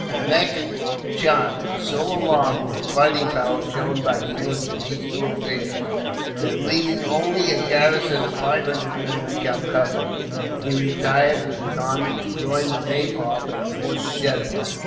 Manak Chand was so alarmed at the fighting powers shown by the English in these two affairs, that, leaving only a garrison of five hundred men at Calcutta, he retired with his army to join the nabob at Moorshedabad.